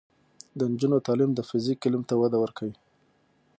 د نجونو تعلیم د فزیک علم ته وده ورکوي.